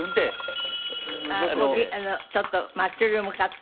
ちょっとマッシュルームカット？